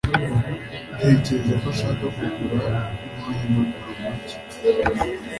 Ntekereza ko ashaka kugura inkoranyamagambo nshya.